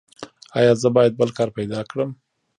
ایا زه باید بل کار پیدا کړم؟